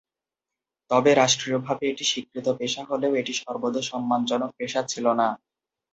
তবে রাষ্ট্রীয়ভাবে এটি স্বীকৃত পেশা হলেও এটি সর্বদা সম্মানজনক পেশা ছিলো না।